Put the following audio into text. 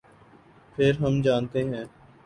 پھر ہم جانتے ہیں۔